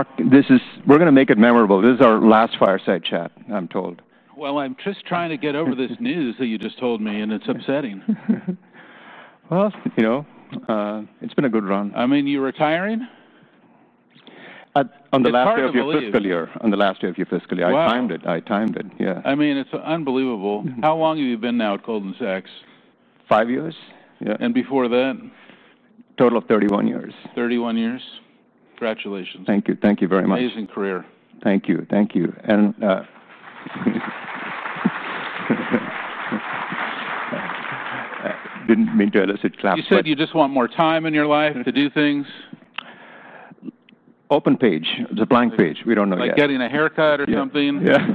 Marc, this is, we are going to make it memorable. This is our last fireside chat, I'm told. I'm just trying to get over this news that you just told me, and it's upsetting. It's been a good run. I mean, you're retiring? On the last year of your fiscal year. I timed it. Yeah. I mean, it's unbelievable. How long have you been now at Goldman Sachs? Five years. Yeah, before that? A total of 31 years. 31 years. Congratulations. Thank you. Thank you very much. Amazing career. Thank you. Thank you. I didn't mean to elicit claps. You said you just want more time in your life to do things. Open page. The blank page. We don't know yet. Like getting a haircut or something. Yeah.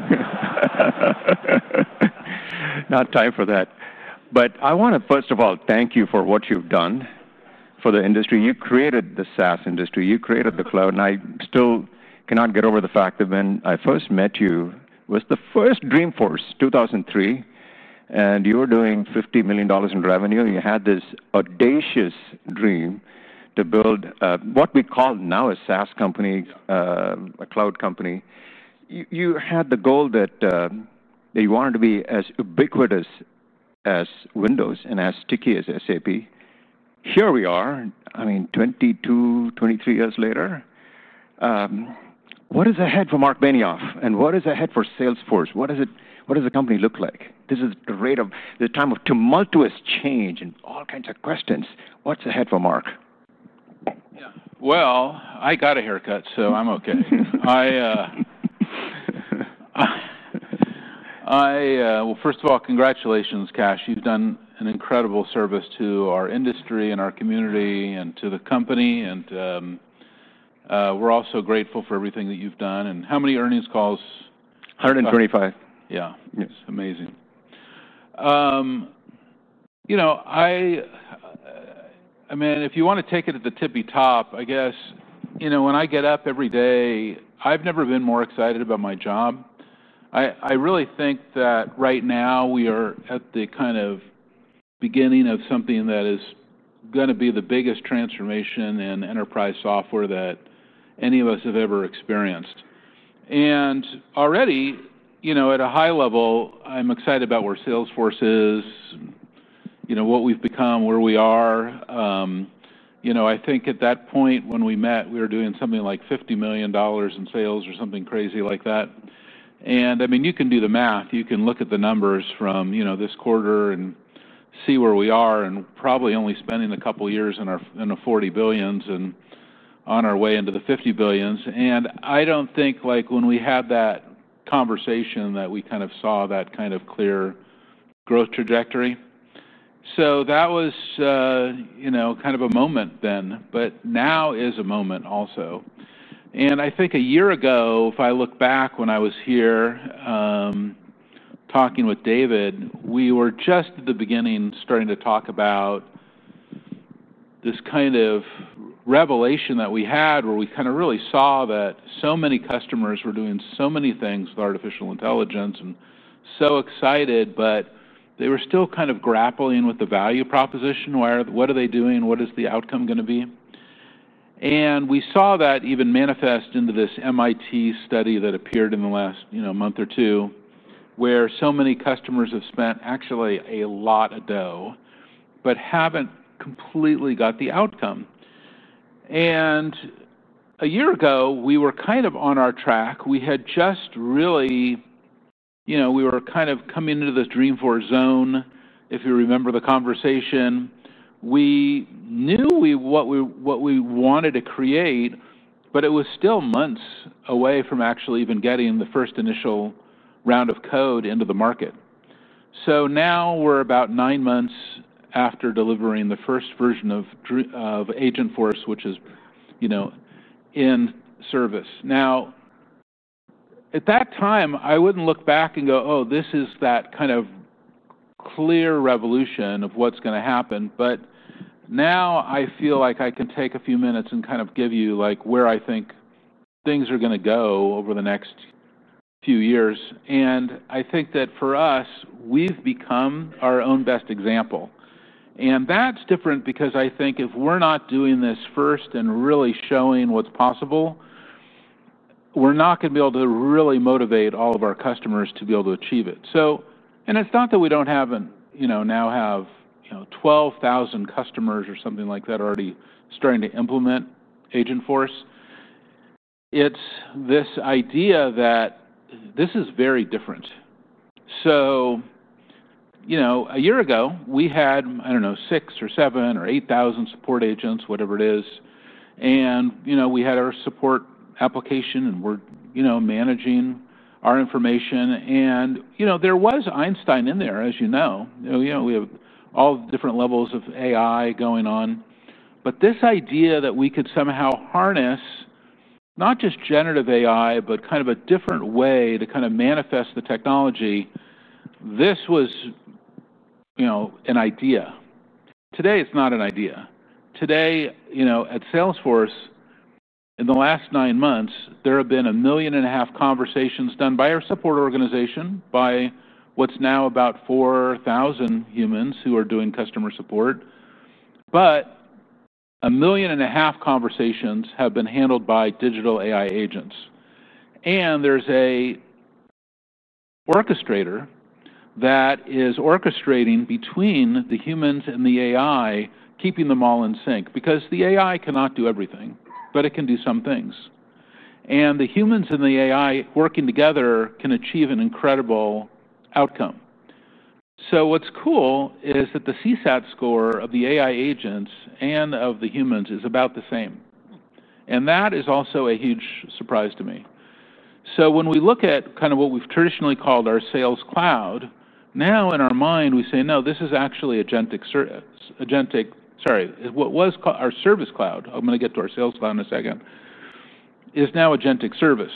Not time for that. I want to, first of all, thank you for what you've done for the industry. You created the SaaS industry. You created the cloud. I still cannot get over the fact that when I first met you, it was the first Dreamforce, 2003, and you were doing $50 million in revenue. You had this audacious dream to build what we call now a SaaS company, a cloud company. You had the goal that you wanted to be as ubiquitous as Windows and as sticky as SAP. Here we are, I mean, 22, 23 years later. What is ahead for Marc Benioff? What is ahead for Salesforce? What does the company look like? This is the rate of the time of tumultuous change and all kinds of questions. What's ahead for Marc? Yeah, I got a haircut, so I'm OK. First of all, congratulations, Kash. You've done an incredible service to our industry, our community, and to the company. We're also grateful for everything that you've done. How many earnings calls? 135. Yeah. It's amazing. If you want to take it to the tippy top, I guess, when I get up every day, I've never been more excited about my job. I really think that right now we are at the kind of beginning of something that is going to be the biggest transformation in enterprise software that any of us have ever experienced. Already, at a high level, I'm excited about where Salesforce is, what we've become, where we are. I think at that point when we met, we were doing something like $50 million in sales or something crazy like that. You can do the math. You can look at the numbers from this quarter and see where we are and probably only spending a couple of years in the $40 billions and on our way into the $50 billions. I don't think when we had that conversation that we saw that kind of clear growth trajectory. That was a moment then. Now is a moment also. I think a year ago, if I look back when I was here talking with David, we were just at the beginning starting to talk about this kind of revelation that we had where we really saw that so many customers were doing so many things with artificial intelligence and so excited, but they were still grappling with the value proposition. What are they doing? What is the outcome going to be? We saw that even manifest into this MIT study that appeared in the last month or two where so many customers have spent actually a lot of dough but haven't completely got the outcome. A year ago, we were on our track. We had just really, we were coming into this Dreamforce zone, if you remember the conversation. We knew what we wanted to create, but it was still months away from actually even getting the first initial round of code into the market. Now we're about nine months after delivering the first version of Agentforce, which is in service. At that time, I wouldn't look back and go, oh, this is that kind of clear revolution of what's going to happen. Now I feel like I can take a few minutes and give you where I think things are going to go over the next few years. I think that for us, we've become our own best example. That's different because I think if we're not doing this first and really showing what's possible, we're not going to be able to really motivate all of our customers to be able to achieve it. It's not that we don't have, you know, now have, you know, 12,000 customers or something like that already starting to implement Agentforce. It's this idea that this is very different. A year ago, we had, I don't know, 6,000 or 7,000 or 8,000 support agents, whatever it is. We had our support application and we're, you know, managing our information. There was Einstein in there, as you know. We have all different levels of AI going on. This idea that we could somehow harness not just generative AI, but kind of a different way to kind of manifest the technology, this was, you know, an idea. Today, it's not an idea. Today, at Salesforce, in the last nine months, there have been 1.5 million conversations done by our support organization, by what's now about 4,000 humans who are doing customer support. 1.5 conversations have been handled by digital AI agents. There's an orchestrator that is orchestrating between the humans and the AI, keeping them all in sync. The AI cannot do everything, but it can do some things. The humans and the AI working together can achieve an incredible outcome. What's cool is that the CSAT score of the AI agents and of the humans is about the same. That is also a huge surprise to me. When we look at kind of what we've traditionally called our Sales Cloud, now in our mind, we say, no, this is actually agentic service. Sorry, what was our Service Cloud? I'm going to get to our Sales Cloud in a second. It's now agentic service.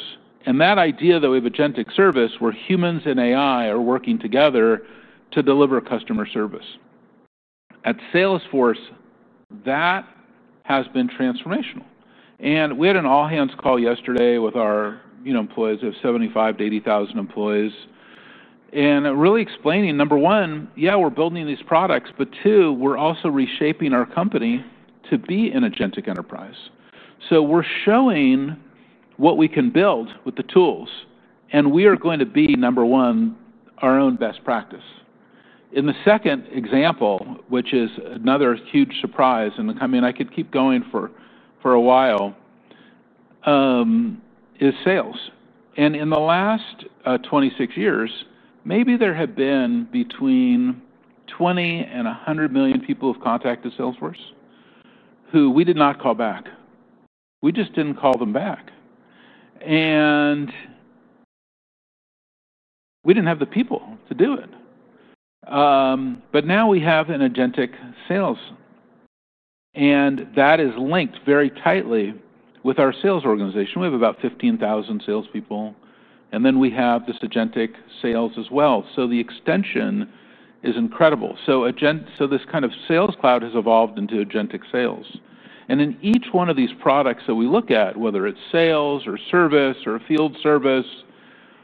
That idea that we have agentic service, where humans and AI are working together to deliver customer service, at Salesforce, that has been transformational. We had an all-hands call yesterday with our employees. We have 75,000-80,000 employees. Really explaining, number one, yeah, we're building these products, but two, we're also reshaping our company to be an agentic enterprise. We're showing what we can build with the tools. We are going to be, number one, our own best practice. In the second example, which is another huge surprise, and I mean, I could keep going for a while, is sales. In the last 26 years, maybe there have been between 20 million and 100 million people who have contacted Salesforce who we did not call back. We just didn't call them back. We didn't have the people to do it. Now we have an agentic sales, and that is linked very tightly with our sales organization. We have about 15,000 salespeople, and then we have this agentic sales as well. The extension is incredible. This kind of Sales Cloud has evolved into agentic sales. In each one of these products that we look at, whether it's sales or service or Field Service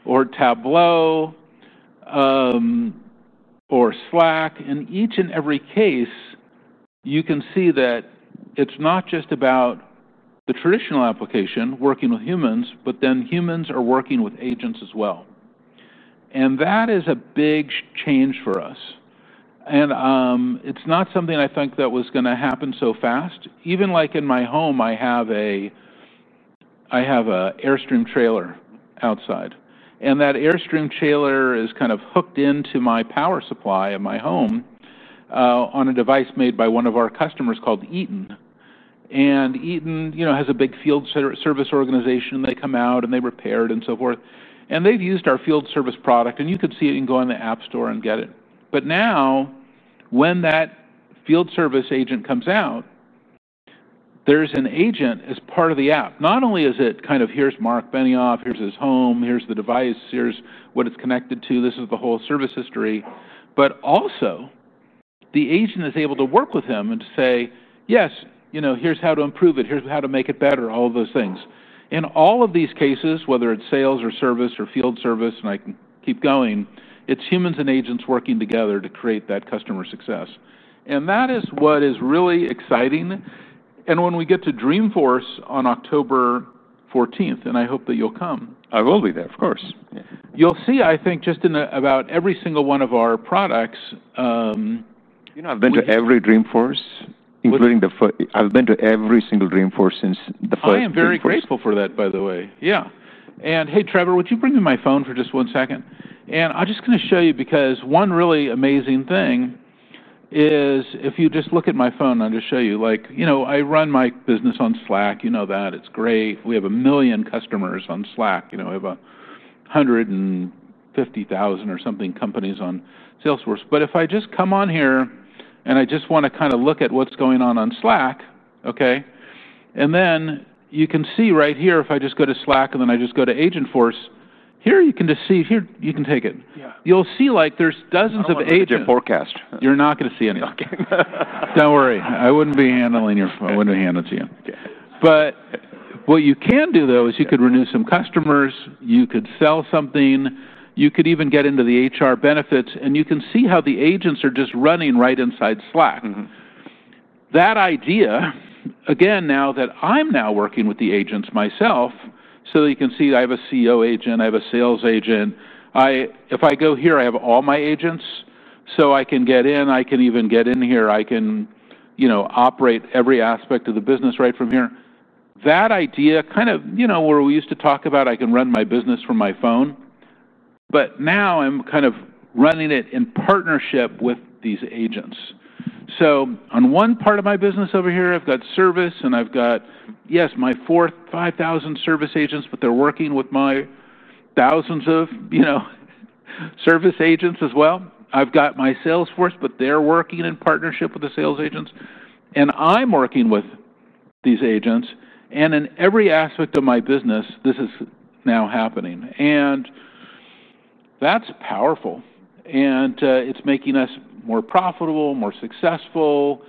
or Tableau or Slack, in each and every case, you can see that it's not just about the traditional application working with humans, but then humans are working with agents as well. That is a big change for us. It's not something I think that was going to happen so fast. Even in my home, I have an Airstream trailer outside. That Airstream trailer is kind of hooked into my power supply in my home on a device made by one of our customers called Eaton. Eaton has a big field service organization. They come out and they repair it and so forth. They've used our Field Service product. You could see it and go on the App Store and get it. Now when that field service agent comes out, there's an agent as part of the app. Not only is it kind of, here's Marc Benioff, here's his home, here's the device, here's what it's connected to, this is the whole service history, but also the agent is able to work with him and to say, yes, here's how to improve it, here's how to make it better, all of those things. In all of these cases, whether it's sales or service or Field Service, and I can keep going, it's humans and agents working together to create that customer success. That is what is really exciting. When we get to Dreamforce on October 14th, I hope that you'll come. I will be there, of course. You'll see, I think, just in about every single one of our products. I've been to every Dreamforce, including the first. I've been to every single Dreamforce since the first. I am very grateful for that, by the way. Yeah. Hey, Trevor, would you bring me my phone for just one second? I'm just going to show you because one really amazing thing is if you just look at my phone, I'll just show you, like, you know, I run my business on Slack. You know that. It's great. We have 1 million customers on Slack. We have 150,000 or something companies on Salesforce. If I just come on here and I just want to kind of look at what's going on on Slack, OK, you can see right here, if I just go to Slack and then I just go to Agentforce, here you can just see, here you can take it. You'll see like there's dozens of agents. That's your forecast. You're not going to see anything. OK. Don't worry. I wouldn't be handing it to you. OK. What you can do, though, is you could renew some customers. You could sell something. You could even get into the HR benefits. You can see how the agents are just running right inside Slack. That idea, again, now that I'm now working with the agents myself, you can see I have a CEO agent. I have a sales agent. If I go here, I have all my agents. I can get in. I can even get in here. I can operate every aspect of the business right from here. That idea, where we used to talk about I can run my business from my phone, now I'm kind of running it in partnership with these agents. On one part of my business over here, I've got service. I've got, yes, my 4,000, 5,000 service agents, but they're working with my thousands of service agents as well. I've got my Salesforce, but they're working in partnership with the sales agents. I'm working with these agents. In every aspect of my business, this is now happening. That's powerful. It's making us more profitable, more successful,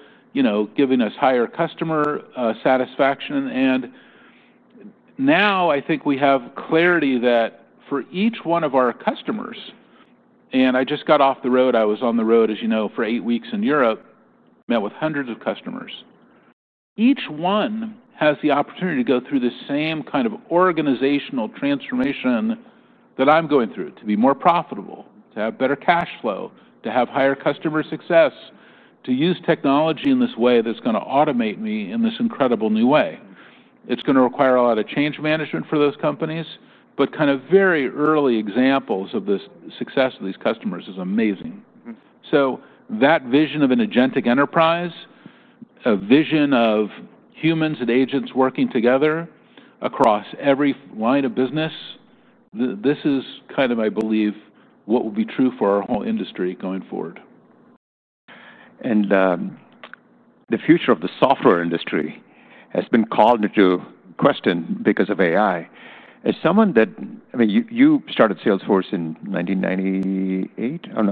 giving us higher customer satisfaction. I think we have clarity that for each one of our customers, and I just got off the road. I was on the road, as you know, for eight weeks in Europe, met with hundreds of customers. Each one has the opportunity to go through the same kind of organizational transformation that I'm going through, to be more profitable, to have better cash flow, to have higher customer success, to use technology in this way that's going to automate me in this incredible new way. It's going to require a lot of change management for those companies. Very early examples of the success of these customers is amazing. That vision of an agentic enterprise, a vision of humans and agents working together across every line of business, this is what I believe will be true for our whole industry going forward. The future of the software industry has been called into question because of AI. As someone that, I mean, you started Salesforce in 1998, or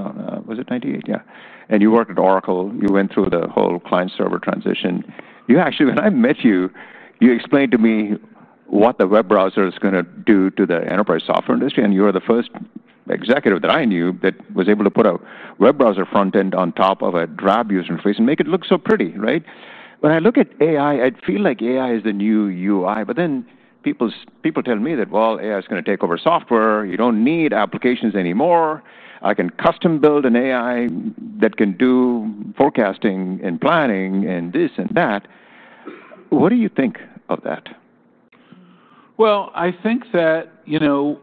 was it 1998? Yeah. You worked at Oracle. You went through the whole client-server transition. When I met you, you explained to me what the web browser is going to do to the enterprise software industry. You were the first executive that I knew that was able to put a web browser front end on top of a drab user interface and make it look so pretty, right? When I look at AI, I feel like AI is the new UI. People tell me that AI is going to take over software. You don't need applications anymore. I can custom build an AI that can do forecasting and planning and this and that. What do you think of that? I think that, you know,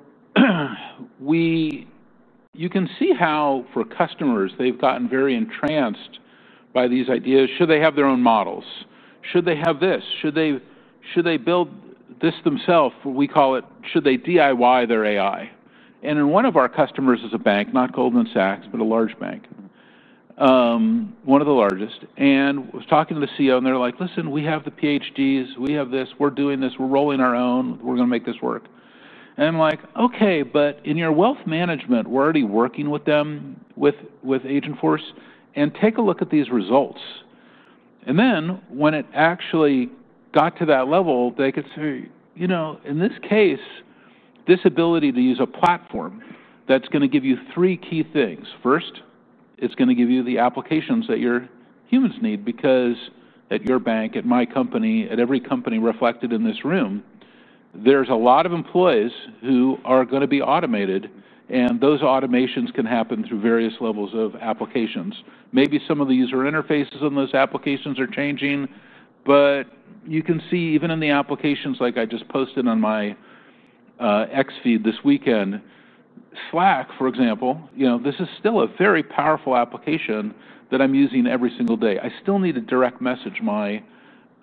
you can see how for customers, they've gotten very entranced by these ideas. Should they have their own models? Should they have this? Should they build this themselves? We call it, should they DIY their AI? One of our customers is a bank, not Goldman Sachs, but a large bank, one of the largest. I was talking to the CEO, and they're like, listen, we have the PhDs. We have this. We're doing this. We're rolling our own. We're going to make this work. I'm like, OK, but in your wealth management, we're already working with them with Agentforce. Take a look at these results. When it actually got to that level, they could say, you know, in this case, this ability to use a platform that's going to give you three key things. First, it's going to give you the applications that your humans need because at your bank, at my company, at every company reflected in this room, there's a lot of employees who are going to be automated. Those automations can happen through various levels of applications. Maybe some of the user interfaces on those applications are changing. You can see even in the applications like I just posted on my X feed this weekend, Slack, for example, you know, this is still a very powerful application that I'm using every single day. I still need to direct message my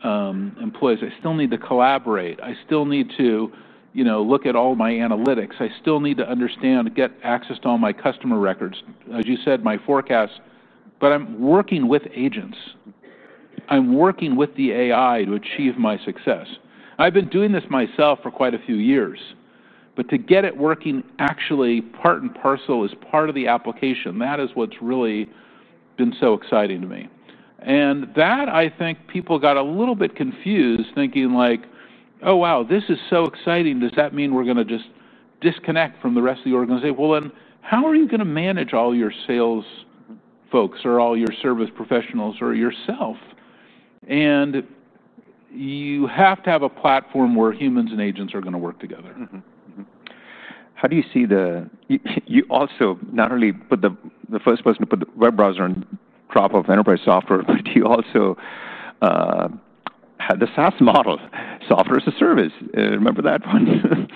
employees. I still need to collaborate. I still need to, you know, look at all my analytics. I still need to understand, get access to all my customer records, as you said, my forecast. I'm working with agents. I'm working with the AI to achieve my success. I've been doing this myself for quite a few years. To get it working actually part and parcel as part of the application, that is what's really been so exciting to me. I think people got a little bit confused thinking like, oh, wow, this is so exciting. Does that mean we're going to just disconnect from the rest of the organization? How are you going to manage all your sales folks or all your service professionals or yourself? You have to have a platform where humans and agents are going to work together. How do you see the, you also not only put the first person to put the web browser on top of enterprise software, but you also had the SaaS model, software as a service. Remember that one?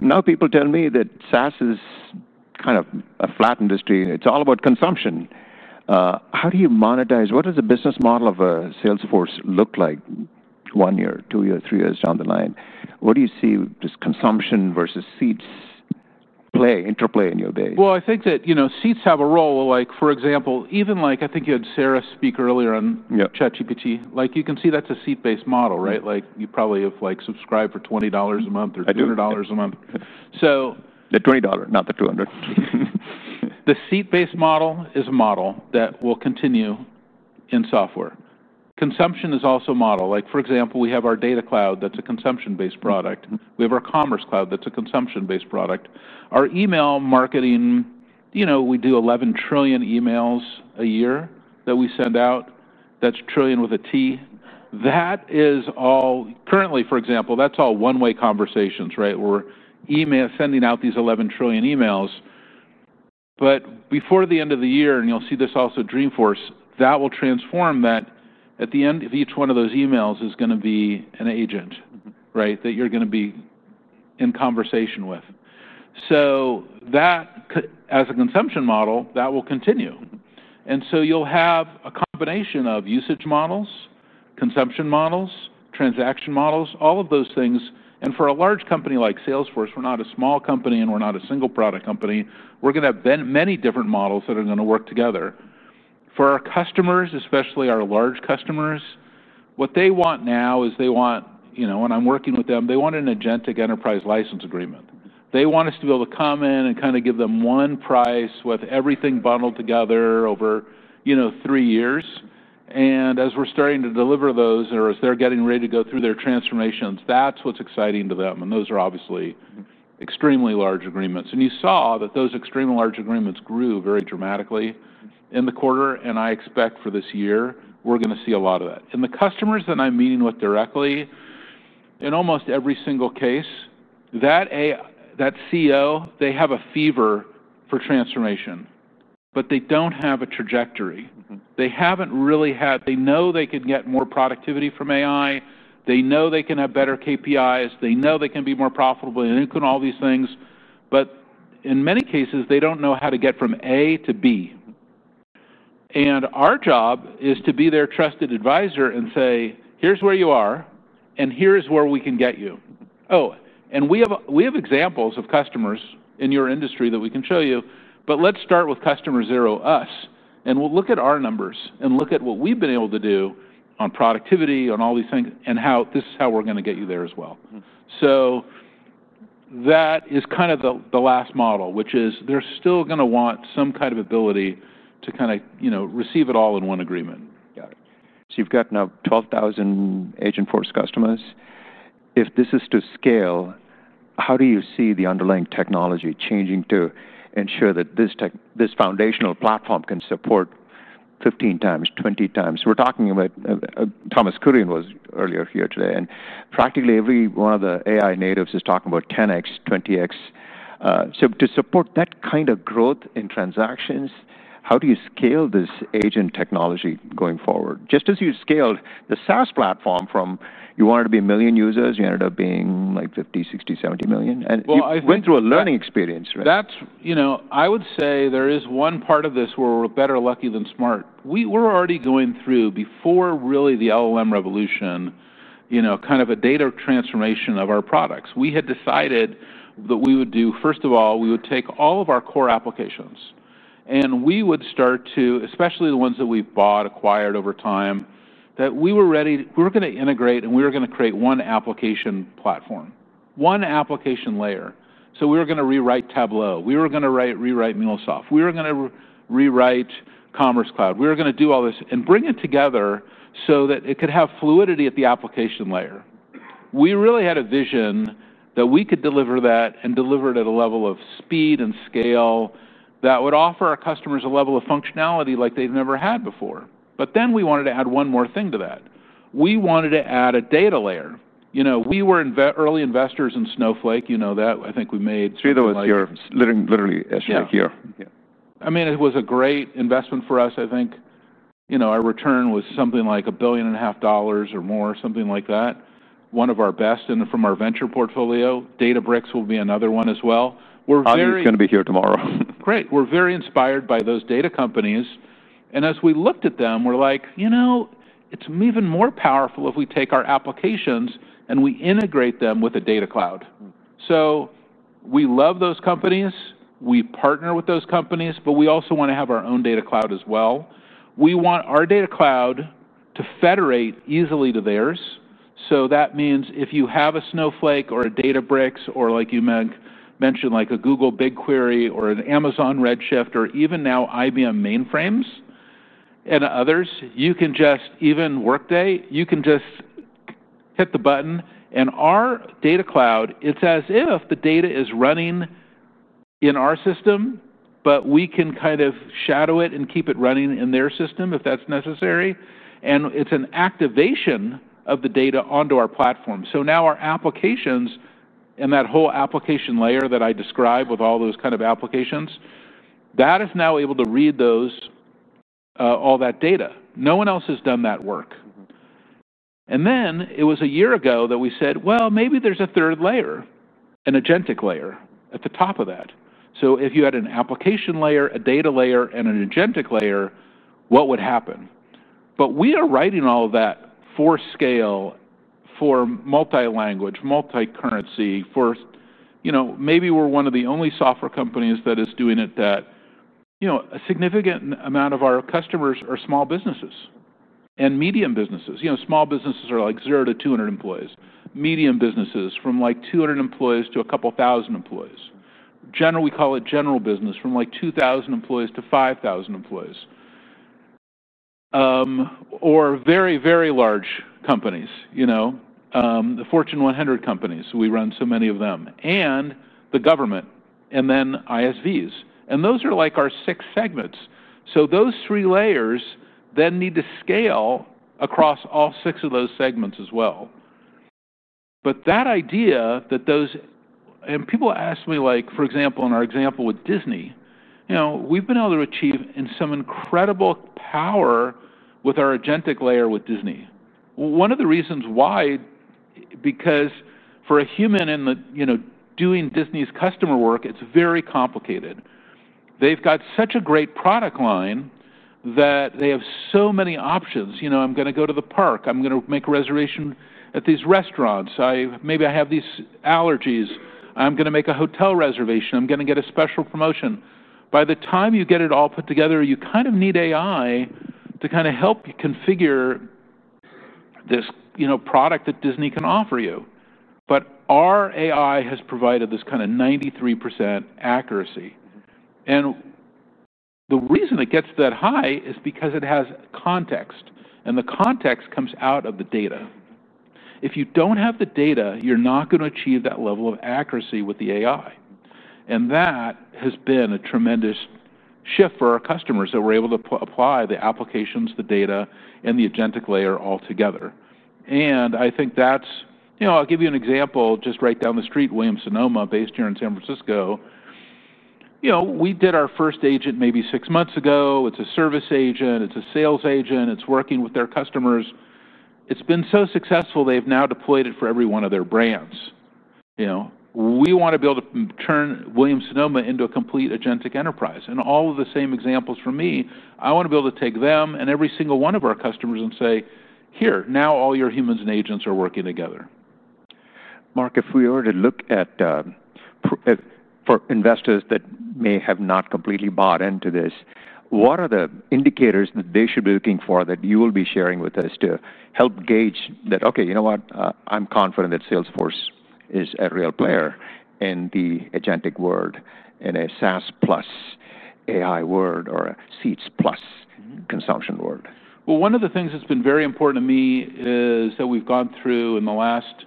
Now people tell me that SaaS is kind of a flat industry. It's all about consumption. How do you monetize? What does the business model of a Salesforce look like one year, two years, three years down the line? What do you see this consumption versus seats play, interplay in your day? I think that, you know, seats have a role. For example, even like I think you had Sarah speak earlier on ChatGPT. You can see that's a seat-based model, right? You probably have like subscribed for $20 a month or $200 a month. The $20, not the $200. The seat-based model is a model that will continue in software. Consumption is also a model. For example, we have our Data Cloud that's a consumption-based product. We have our Commerce Cloud that's a consumption-based product. Our email marketing, you know, we do 11 trillion emails a year that we send out. That's trillion with a T. That is all currently, for example, that's all one-way conversations, right? We're sending out these 11 trillion emails. Before the end of the year, and you'll see this also at Dreamforce, that will transform that. At the end of each one of those emails is going to be an agent, right, that you're going to be in conversation with. That, as a consumption model, will continue. You'll have a combination of usage models, consumption models, transaction models, all of those things. For a large company like Salesforce, we're not a small company and we're not a single product company. We're going to have many different models that are going to work together. For our customers, especially our large customers, what they want now is they want, you know, when I'm working with them, they want an agentic enterprise license agreement. They want us to be able to come in and kind of give them one price with everything bundled together over, you know, three years. As we're starting to deliver those or as they're getting ready to go through their transformations, that's what's exciting to them. Those are obviously extremely large agreements. You saw that those extremely large agreements grew very dramatically in the quarter. I expect for this year, we're going to see a lot of that. The customers that I'm meeting with directly, in almost every single case, that CEO, they have a fever for transformation. They don't have a trajectory. They haven't really had, they know they can get more productivity from AI. They know they can have better KPIs. They know they can be more profitable. They know all these things. In many cases, they don't know how to get from A to B. Our job is to be their trusted advisor and say, here's where you are. Here is where we can get you. Oh, and we have examples of customers in your industry that we can show you. Let's start with customer zero, us. We'll look at our numbers and look at what we've been able to do on productivity, on all these things, and how this is how we're going to get you there as well. That is kind of the last model, which is they're still going to want some kind of ability to kind of, you know, receive it all in one agreement. Got it. You've got now 12,000 Agentforce customers. If this is to scale, how do you see the underlying technology changing to ensure that this foundational platform can support 15x, 20x? We're talking about Thomas Kudrin was earlier here today. Practically every one of the AI natives is talking about 10x, 20x. To support that kind of growth in transactions, how do you scale this agent technology going forward? Just as you scaled the SaaS platform from you wanted to be 1 million users, you ended up being like 50 million, 60 million, 70 million. I think. You went through a learning experience, right? You know, I would say there is one part of this where we're better lucky than smart. We were already going through, before really the LLM revolution, you know, kind of a data transformation of our products. We had decided that we would do, first of all, we would take all of our core applications, and we would start to, especially the ones that we bought, acquired over time, that we were ready, we were going to integrate, and we were going to create one application platform, one application layer. We were going to rewrite Tableau, we were going to rewrite MuleSoft, we were going to rewrite Commerce Cloud. We were going to do all this and bring it together so that it could have fluidity at the application layer. We really had a vision that we could deliver that and deliver it at a level of speed and scale that would offer our customers a level of functionality like they've never had before. We wanted to add one more thing to that. We wanted to add a data layer. You know, we were early investors in Snowflake. You know that. I think we made. You're the ones who are literally actually here. Yeah, I mean, it was a great investment for us. I think our return was something like $1.5 billion or more, something like that. One of our best and from our venture portfolio, Databricks will be another one as well. I'm going to be here tomorrow. Great. We're very inspired by those data companies. As we looked at them, we're like, you know, it's even more powerful if we take our applications and we integrate them with a Data Cloud. We love those companies. We partner with those companies. We also want to have our own Data Cloud as well. We want our Data Cloud to federate easily to theirs. That means if you have a Snowflake or a Databricks or, like you mentioned, like a Google BigQuery or an Amazon Redshift or even now IBM mainframes and others, you can just, even Workday, you can just hit the button. Our Data Cloud, it's as if the data is running in our system, but we can kind of shadow it and keep it running in their system if that's necessary. It's an activation of the data onto our platform. Now our applications and that whole application layer that I described with all those kind of applications, that is now able to read all that data. No one else has done that work. It was a year ago that we said, maybe there's a third layer, an agentic layer at the top of that. If you had an application layer, a data layer, and an agentic layer, what would happen? We are writing all of that for scale, for multi-language, multi-currency. Maybe we're one of the only software companies that is doing it that, you know, a significant amount of our customers are small businesses and medium businesses. Small businesses are like zero to 200 employees. Medium businesses from 200 employees to a couple thousand employees. General, we call it general business from 2,000 employees to 5,000 employees. Or very, very large companies, the Fortune 100 companies. We run so many of them, and the government, and then ISVs. Those are our six segments. Those three layers then need to scale across all six of those segments as well. That idea that those, and people ask me, for example, in our example with Disney, we've been able to achieve some incredible power with our agentic layer with Disney. One of the reasons why, because for a human doing Disney's customer work, it's very complicated. They've got such a great product line that they have so many options. You know, I'm going to go to the park. I'm going to make a reservation at these restaurants. Maybe I have these allergies. I'm going to make a hotel reservation. I'm going to get a special promotion. By the time you get it all put together, you kind of need AI to kind of help you configure this, you know, product that Disney can offer you. Our AI has provided this kind of 93% accuracy. The reason it gets that high is because it has context. The context comes out of the data. If you don't have the data, you're not going to achieve that level of accuracy with the AI. That has been a tremendous shift for our customers that were able to apply the applications, the data, and the agentic layer all together. I'll give you an example just right down the street, Williams-Sonoma based here in San Francisco. We did our first agent maybe six months ago. It's a service agent. It's a sales agent. It's working with their customers. It's been so successful, they've now deployed it for every one of their brands. We want to be able to turn Williams-Sonoma into a complete agentic enterprise. All of the same examples for me, I want to be able to take them and every single one of our customers and say, here, now all your humans and agents are working together. Marc, if we were to look at for investors that may have not completely bought into this, what are the indicators that they should be looking for that you will be sharing with us to help gauge that, OK, you know what? I'm confident that Salesforce is a real player in the agentic world, in a SaaS plus AI world or a seats plus consumption world. One of the things that's been very important to me is that we've gone through in the last,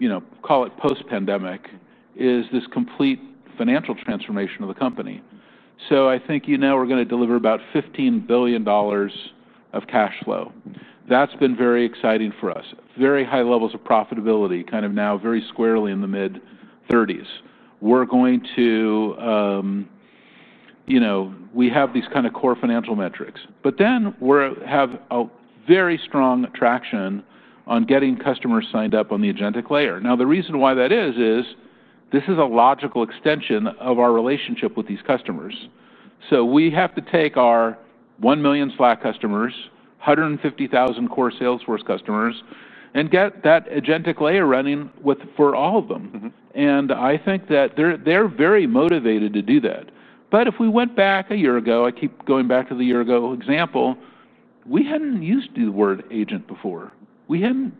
you know, call it post-pandemic, is this complete financial transformation of the company. I think you now are going to deliver about $15 billion of cash flow. That's been very exciting for us. Very high levels of profitability, kind of now very squarely in the mid-30s. We're going to, you know, we have these kind of core financial metrics. We have a very strong traction on getting customers signed up on the agentic layer. The reason why that is, is this is a logical extension of our relationship with these customers. We have to take our 1 million Slack customers, 150,000 core Salesforce customers, and get that agentic layer running for all of them. I think that they're very motivated to do that. If we went back a year ago, I keep going back to the year ago example, we hadn't used the word agent before. We hadn't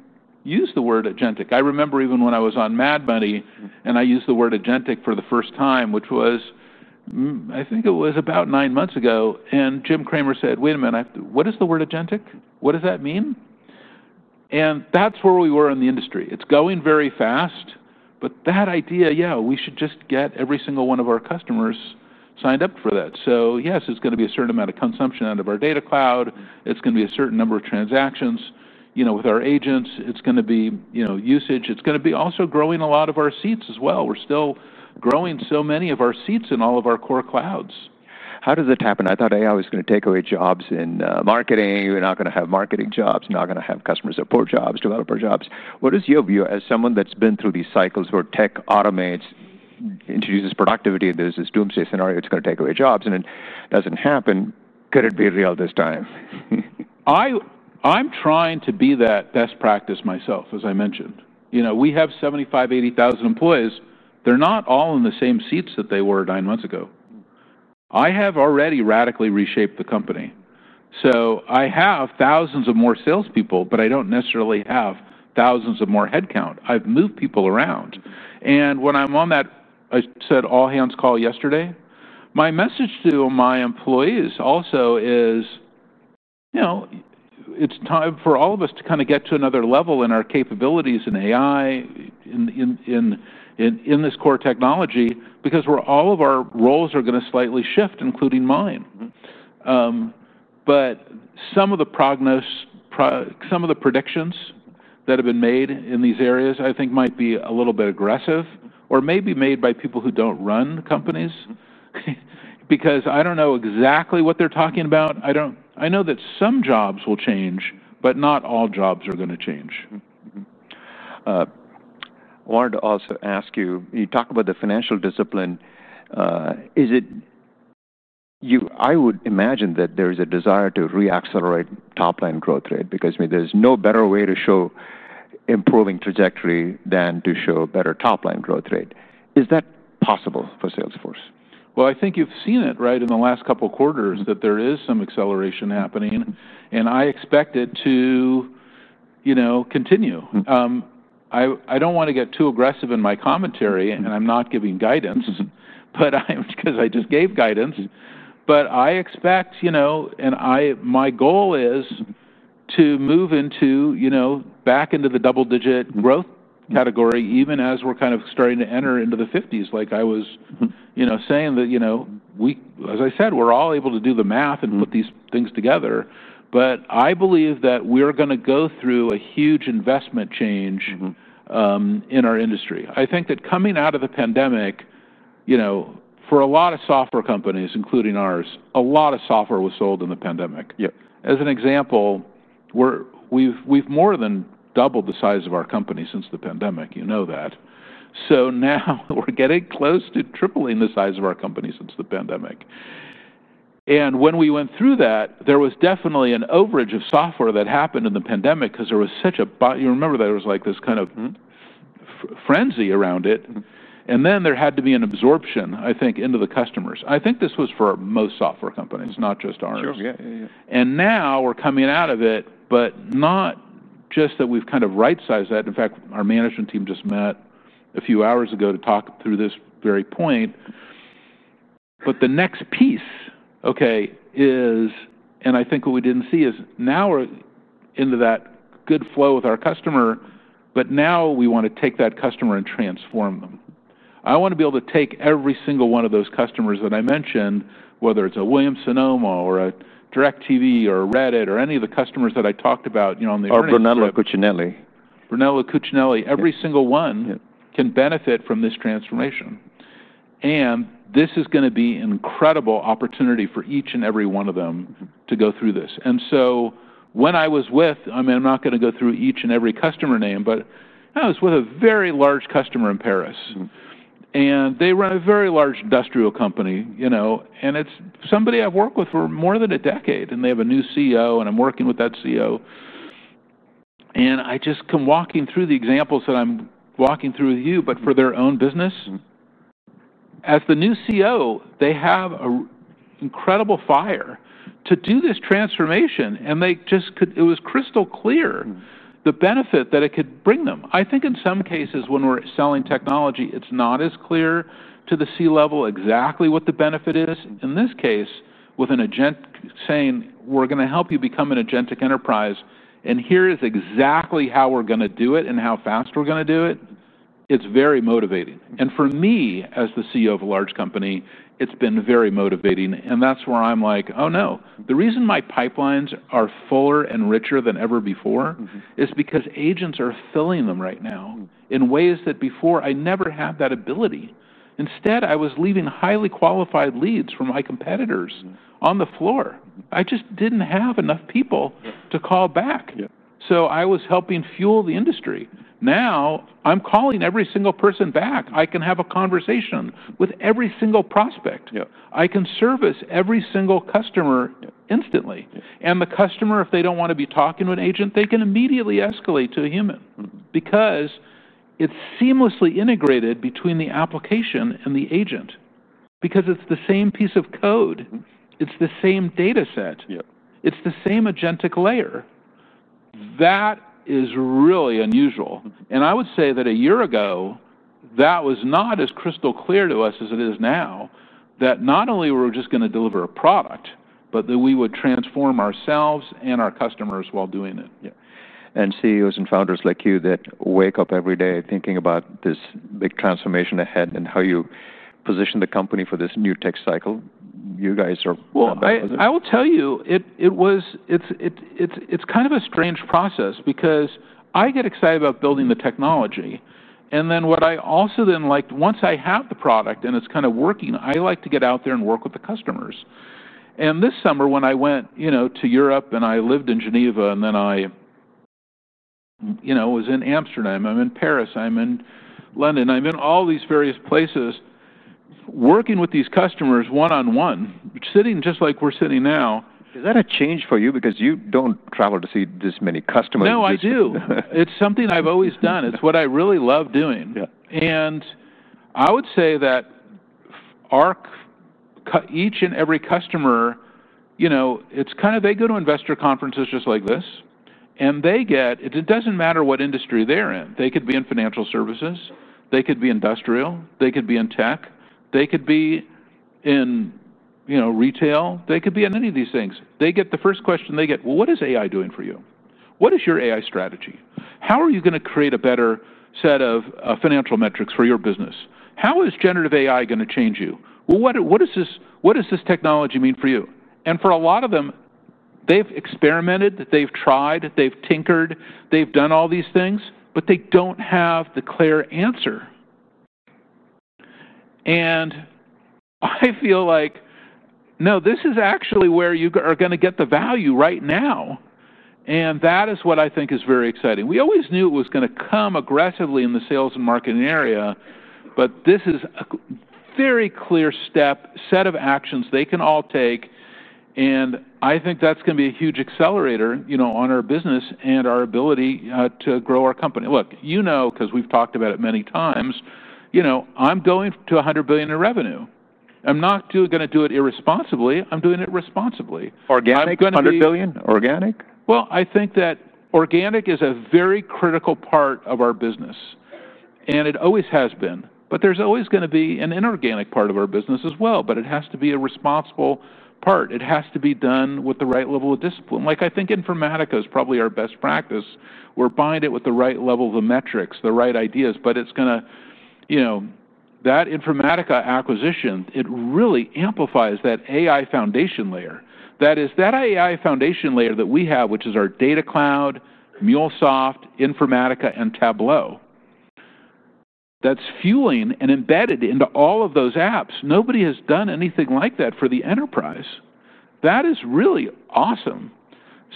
used the word agentic. I remember even when I was on Mad Money and I used the word agentic for the first time, which was, I think it was about nine months ago. Jim Cramer said, wait a minute, what is the word agentic? What does that mean? That's where we were in the industry. It's going very fast. That idea, yeah, we should just get every single one of our customers signed up for that. Yes, it's going to be a certain amount of consumption out of our Data Cloud. It's going to be a certain number of transactions, you know, with our agents. It's going to be, you know, usage. It's going to be also growing a lot of our seats as well. We're still growing so many of our seats in all of our core clouds. How does it happen? I thought AI was going to take away jobs in marketing. We're not going to have marketing jobs. We're not going to have customer support jobs, developer jobs. What is your view as someone that's been through these cycles where tech automates, introduces productivity, and there's this doomsday scenario. It's going to take away jobs. It doesn't happen. Could it be real this time? I'm trying to be that best practice myself, as I mentioned. You know, we have 75,000, 80,000 employees. They're not all in the same seats that they were nine months ago. I have already radically reshaped the company. I have thousands of more salespeople, but I don't necessarily have thousands of more headcount. I've moved people around. When I'm on that, I said all-hands call yesterday. My message to my employees also is, you know, it's time for all of us to kind of get to another level in our capabilities in AI, in this core technology, because all of our roles are going to slightly shift, including mine. Some of the prognosis, some of the predictions that have been made in these areas, I think might be a little bit aggressive or may be made by people who don't run the companies. I don't know exactly what they're talking about. I know that some jobs will change, but not all jobs are going to change. I wanted to also ask you, you talked about the financial discipline. I would imagine that there is a desire to re-accelerate top-line growth rate, because there's no better way to show improving trajectory than to show a better top-line growth rate. Is that possible for Salesforce? I think you've seen it, right, in the last couple of quarters that there is some acceleration happening. I expect it to, you know, continue. I don't want to get too aggressive in my commentary, and I'm not giving guidance, because I just gave guidance. I expect, you know, and my goal is to move into, you know, back into the double-digit growth category, even as we're kind of starting to enter into the 50s. Like I was saying, you know, we, as I said, we're all able to do the math and put these things together. I believe that we're going to go through a huge investment change in our industry. I think that coming out of the pandemic, you know, for a lot of software companies, including ours, a lot of software was sold in the pandemic. As an example, we've more than doubled the size of our company since the pandemic. You know that. Now we're getting close to tripling the size of our company since the pandemic. When we went through that, there was definitely an overage of software that happened in the pandemic because there was such a, you remember that it was like this kind of frenzy around it. There had to be an absorption, I think, into the customers. I think this was for most software companies, not just ours. Sure. Yeah, yeah. We're coming out of it, not just that we've kind of right-sized that. In fact, our management team just met a few hours ago to talk through this very point. The next piece is, and I think what we didn't see is now we're into that good flow with our customer. Now we want to take that customer and transform them. I want to be able to take every single one of those customers that I mentioned, whether it's a Williams-Sonoma or a DirecTV or a Reddit or any of the customers that I talked about, you know, on the. Or Brunello Cucinelli. Brunello Cucinelli, every single one can benefit from this transformation. This is going to be an incredible opportunity for each and every one of them to go through this. When I was with, I mean, I'm not going to go through each and every customer name, but I was with a very large customer in Paris. They run a very large industrial company, you know, and it's somebody I've worked with for more than a decade. They have a new CEO, and I'm working with that CEO. I just come walking through the examples that I'm walking through with you, but for their own business. As the new CEO, they have an incredible fire to do this transformation. It was crystal clear the benefit that it could bring them. I think in some cases, when we're selling technology, it's not as clear to the C-level exactly what the benefit is. In this case, with an agent saying, we're going to help you become an agentic enterprise. Here is exactly how we're going to do it and how fast we're going to do it. It's very motivating. For me, as the CEO of a large company, it's been very motivating. That's where I'm like, oh, no. The reason my pipelines are fuller and richer than ever before is because agents are filling them right now in ways that before I never had that ability. Instead, I was leaving highly qualified leads from my competitors on the floor. I just didn't have enough people to call back. I was helping fuel the industry. Now I'm calling every single person back. I can have a conversation with every single prospect. I can service every single customer instantly. The customer, if they don't want to be talking to an agent, can immediately escalate to a human because it's seamlessly integrated between the application and the agent because it's the same piece of code. It's the same data set. It's the same agentic layer. That is really unusual. I would say that a year ago, that was not as crystal clear to us as it is now that not only were we just going to deliver a product, but that we would transform ourselves and our customers while doing it. CEOs and founders like you that wake up every day thinking about this big transformation ahead and how you position the company for this new tech cycle, you guys are. It was kind of a strange process because I get excited about building the technology. Once I have the product and it's kind of working, I like to get out there and work with the customers. This summer, when I went to Europe and I lived in Geneva and then I was in Amsterdam, I'm in Paris, I'm in London, I'm in all these various places working with these customers one-on-one, sitting just like we're sitting now. Is that a change for you? Because you don't travel to see this many customers. No, I do. It's something I've always done. It's what I really love doing. I would say that each and every customer, you know, it's kind of, they go to investor conferences just like this. They get, it doesn't matter what industry they're in. They could be in financial services. They could be industrial. They could be in tech. They could be in, you know, retail. They could be in any of these things. They get the first question they get, what is AI doing for you? What is your AI strategy? How are you going to create a better set of financial metrics for your business? How is generative AI going to change you? What does this technology mean for you? For a lot of them, they've experimented, they've tried, they've tinkered, they've done all these things, but they don't have the clear answer. I feel like, no, this is actually where you are going to get the value right now. That is what I think is very exciting. We always knew it was going to come aggressively in the sales and marketing area. This is a very clear step set of actions they can all take. I think that's going to be a huge accelerator, you know, on our business and our ability to grow our company. Look, you know, because we've talked about it many times, you know, I'm going to $100 billion in revenue. I'm not going to do it irresponsibly. I'm doing it responsibly. Organic $100 billion? Organic? I think that organic is a very critical part of our business, and it always has been. There is always going to be an inorganic part of our business as well, but it has to be a responsible part. It has to be done with the right level of discipline. I think Informatica is probably our best practice. We're buying it with the right level of the metrics, the right ideas. That Informatica acquisition really amplifies that AI foundation layer. That is that AI foundation layer that we have, which is our Data Cloud, MuleSoft, Informatica, and Tableau. That's fueling and embedded into all of those apps. Nobody has done anything like that for the enterprise. That is really awesome.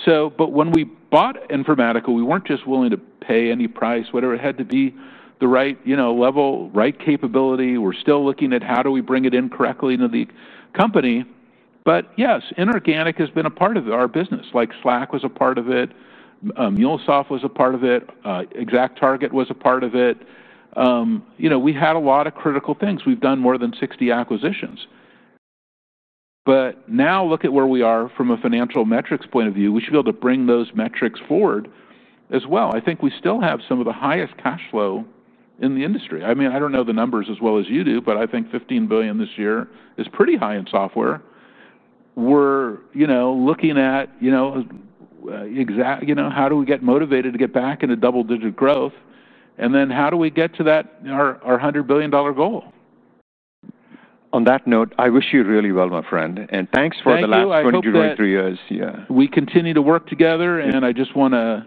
When we bought Informatica, we weren't just willing to pay any price, whatever. It had to be the right level, right capability. We're still looking at how do we bring it in correctly into the company. Yes, inorganic has been a part of our business. Slack was a part of it. MuleSoft was a part of it. ExactTarget was a part of it. We had a lot of critical things. We've done more than 60 acquisitions. Now look at where we are from a financial metrics point of view. We should be able to bring those metrics forward as well. I think we still have some of the highest cash flow in the industry. I mean, I don't know the numbers as well as you do, but I think $15 billion this year is pretty high in software. We're looking at how do we get motivated to get back into double-digit growth, and then how do we get to that, our $100 billion goal? On that note, I wish you really well, my friend, and thanks for the last 23 years. We continue to work together. I just want to,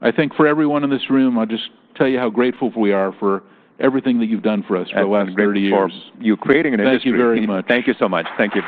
I think for everyone in this room, I'll just tell you how grateful we are for everything that you've done for us for the last 30 years. Thank you for creating an industry. Thank you very much. Thank you so much. Thank you.